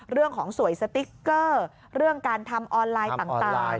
สวยสติ๊กเกอร์เรื่องการทำออนไลน์ต่าง